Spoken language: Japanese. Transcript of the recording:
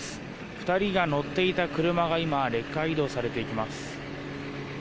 ２人が乗っていた車が今、レッカー移動されていきます。